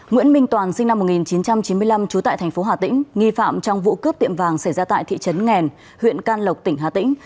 nguyễn minh toàn sinh năm một nghìn chín trăm chín mươi năm trú tại thành phố hà tĩnh nghi phạm trong vụ cướp tiệm vàng xảy ra tại thị trấn nghèn huyện can lộc tỉnh hà tĩnh